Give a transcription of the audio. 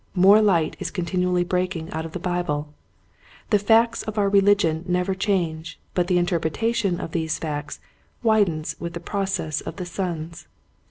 More light is continually breaking out of the Bible. The facts of our religion never change, but the interpretation of these facts widens with the process of the suns.